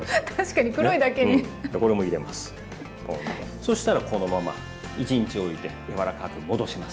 そしたらこのまま一日おいて柔らかく戻します。